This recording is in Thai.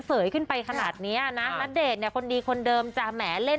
เสยขึ้นไปขนาดเนี้ยนะณเดชน์เนี่ยคนดีคนเดิมจะแหมเล่น